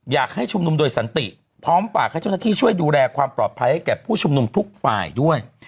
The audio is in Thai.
อยากให้ชุมนุมโดยสันติพร้อมฝากให้เจ้าหน้าที่ช่วยดูแลความปลอดภัยให้แก่ผู้ชุมนุมทุกฝ่ายด้วย